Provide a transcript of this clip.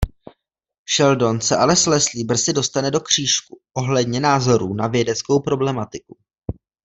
Sheldon se ale s Leslie brzy dostane do křížku ohledně názorů na vědeckou problematiku.